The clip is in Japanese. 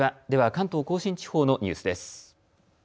では関東甲信地方のニュースです。